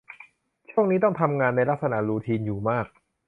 ช่วงนี้ต้องทำงานในลักษณะรูทีนอยู่มาก